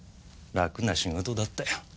楽な仕事だったよ。